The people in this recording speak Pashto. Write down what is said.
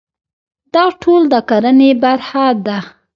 دا ټول د کرنې برخه ده.